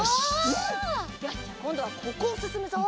よしこんどはここをすすむぞ。